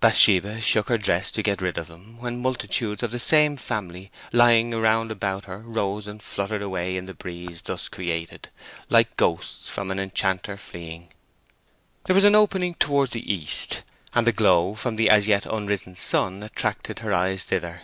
Bathsheba shook her dress to get rid of them, when multitudes of the same family lying round about her rose and fluttered away in the breeze thus created, "like ghosts from an enchanter fleeing." There was an opening towards the east, and the glow from the as yet unrisen sun attracted her eyes thither.